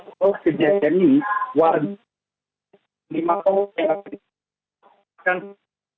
kita tempatkan bahwa kejadian ini